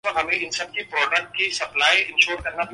پی C B نے احمد شہزاد کو show cause notice جاری کردیا